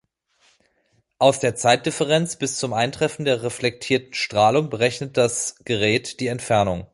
Aus der Zeitdifferenz bis zum Eintreffen der reflektierten Strahlung berechnet das Gerät die Entfernung.